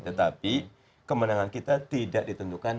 tetapi kemenangan kita tidak ditentukan